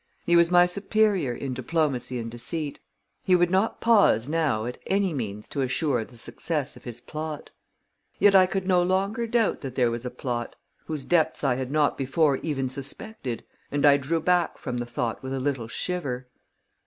He was my superior in diplomacy and deceit; he would not pause, now, at any means to assure the success of his plot. Yes, I could doubt no longer that there was a plot, whose depths I had not before even suspected; and I drew back from the thought with a little shiver.